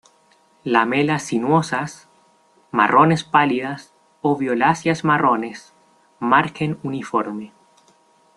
Lamelas sinuosas, marrones pálidas o violáceas marrones, margen uniforme.